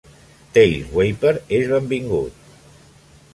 Taleswapper és benvingut.